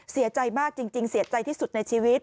เสียใจมากจริงเสียใจที่สุดในชีวิต